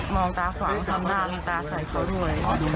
มองตาขวางสำนามตาไส้เขาด้วย